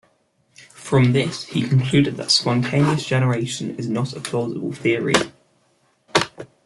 From this he concluded that spontaneous generation is not a plausible theory.